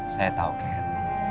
saya tahu kat